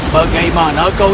bagaimana kau tahu